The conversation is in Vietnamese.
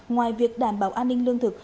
ngoài việc đảm bảo an ninh lương thực